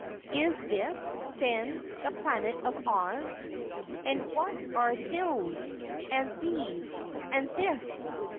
"Is this, then, the Planet of Oz? And what are those, and these, and this?"